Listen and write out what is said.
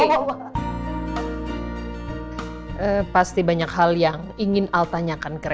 pasti banyak yang nanya banyak hal yang ingin al tanyakan ke randy